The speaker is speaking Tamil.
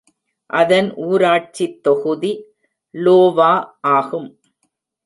அதன் ஊராட்சித் தொகுதி லோவா ஆகும்.